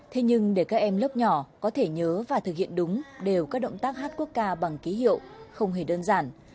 thế nhưng để các em lớp nhỏ có thể nhớ và thực hiện đúng đều các động tác hát quốc ca bằng ký hiệu không hề đơn giản